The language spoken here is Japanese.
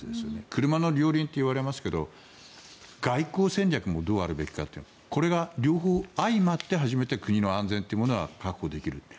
車の両輪といわれますけど外交戦略もどうあるべきかこれが両方相まって初めて国の安全というものは確保できる。